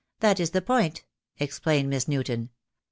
That is the point," ex plained Miss Newton.